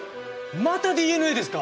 またＤＮＡですか！？